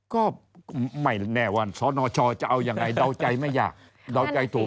ก็ไม่แน่ว่าสนชจะเอายังไงเดาใจไม่ยากเดาใจถูก